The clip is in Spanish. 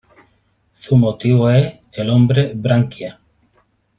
Su motivo es el Hombre-Branquia.